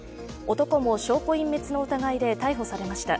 男も証拠隠滅の疑いで逮捕されました。